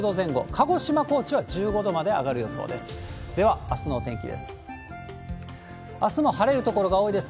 鹿児島、高知は１５度まで上がる予想です。